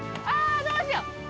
ああ、どうしよう。